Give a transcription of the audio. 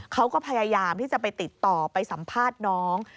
เขาก็พยายามที่จะไปติดต่อไปสัมภาษณ์น้อง